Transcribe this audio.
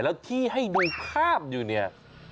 แล้วที่ให้ดูภาพอยู่เนี่ย